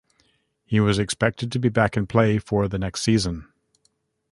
He was expected to be back in play for the next season.